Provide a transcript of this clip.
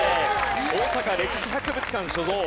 大阪歴史博物館所蔵。